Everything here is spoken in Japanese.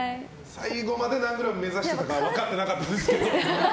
最後まで何グラム目指してたか分かってなかったですけど。